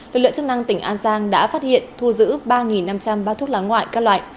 lực lượng chức năng tỉnh an giang đã phát hiện thu giữ ba năm trăm linh bao thuốc lá ngoại các loại